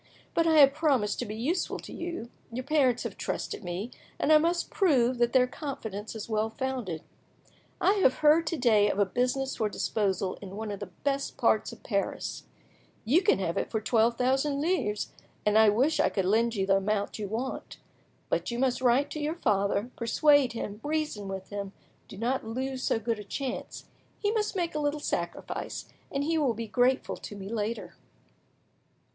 But I have promised to be useful to you, your parents have trusted me, and I must prove that their confidence is well founded. I have heard to day of a business for disposal in one of the best parts of Paris. You can have it for twelve thousand livres, and I wish I could lend you the amount you want. But you must write to your father, persuade him, reason with him; do not lose so good a chance. He must make a little sacrifice, and he will be grateful to me later."